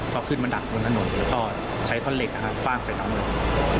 ก็ขึ้นมาดักบนถนนแล้วก็ใช้ท่อนเหล็กนะครับฟาดใส่น้ำเลย